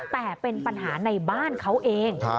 แต่เป็นปัญหาในบ้านเขาเอง